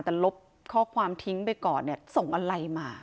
แต่ลบข้อความทิ้งไปก่อนเนี่ยส่งอะไรมา